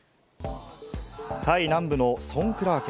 タイ南部のソンクラー県。